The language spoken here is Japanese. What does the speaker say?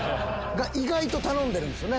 意外と頼んでるんですよね。